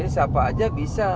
jadi siapa saja bisa